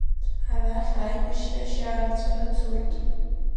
Арахь аибашьра шьаарҵәыра цоит.